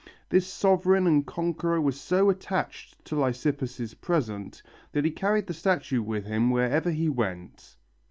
This sovereign and conqueror was so attached to Lysippus' present that he carried the statue with him wherever he went.